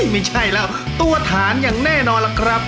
ไม่ใช่แล้วตัวฐานอย่างแน่นอนล่ะครับ